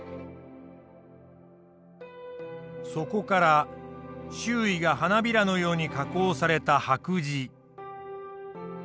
そこから周囲が花びらのように加工された白磁。